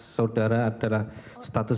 saudara adalah status